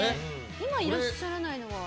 今いらっしゃらないのは？